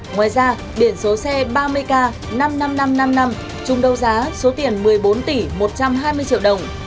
ngoài ra biển số xe ba mươi k năm mươi năm nghìn năm trăm năm mươi năm chung đấu giá số tiền một mươi bốn tỷ một trăm hai mươi triệu đồng